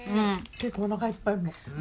結構おなかいっぱいもう。